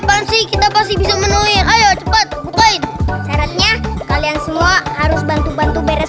pasti kita pasti bisa menunggu ayo cepat bukain syaratnya kalian semua harus bantu bantu beres